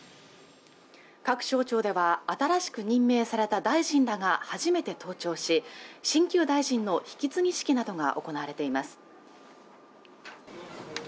各省庁では新しく任命された大臣らが初めて登庁し新旧大臣の引き継ぎ式などが行われています